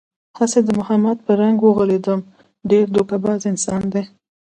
هسې د محمود په رنگ و غولېدم، ډېر دوکه باز انسان دی.